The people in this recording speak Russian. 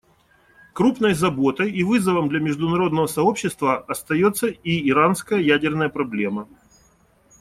Крупной заботой и вызовом для международного сообщества остается и иранская ядерная проблема.